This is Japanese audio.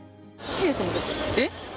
えっ！？